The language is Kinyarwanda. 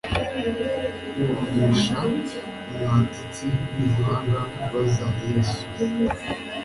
Bumvisha umwanditsi w'umuhanga kubaza Yesu